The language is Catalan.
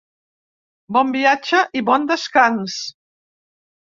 Bon viatge i bon descans.